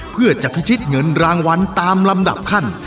เพื่อจะพิชิตเงินรางวัลตามลำดับขั้น